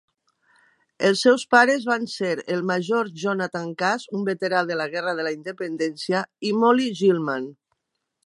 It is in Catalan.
Els seus pares van ser el Major Jonathan Cass, un veterà de la Guerra de la Independència, i Molly Gilman.